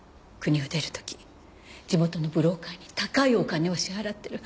国を出る時地元のブローカーに高いお金を支払ってる。